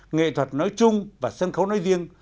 nghệ thuật nói chung và sân khấu nói riêng